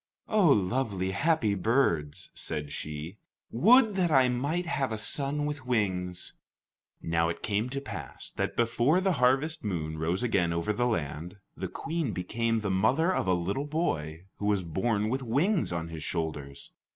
"Oh, lovely, happy birds," said she; "would that I might have a son with wings!" Now it came to pass that before the harvest moon rose again over the land, the Queen became the mother of a little boy who was born with wings on his shoulders.